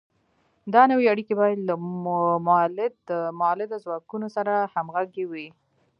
دا نوې اړیکې باید له مؤلده ځواکونو سره همغږې وي.